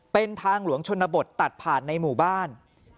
เป็นทางหลวงชนบทตัดผ่านในหมู่บ้าน